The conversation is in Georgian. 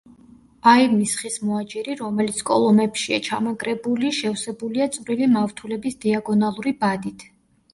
აივნის ხის მოაჯირი, რომელიც კოლომებშია ჩამაგრებული, შევსებულია წვრილი მავთულების დიაგონალური ბადით.